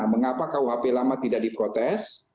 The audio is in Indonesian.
mengapa kuhp lama tidak diprotes